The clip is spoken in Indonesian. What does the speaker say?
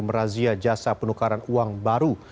merazia jasa penukaran uang baru